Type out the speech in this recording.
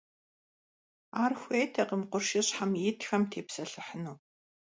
Ар хуейтэкъым къуршыщхьэм итхэм тепсэлъыхьыну.